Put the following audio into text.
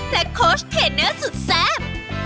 โค้ชเทนเนอร์สุดแซ่บ